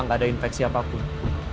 gak ada infeksi apapun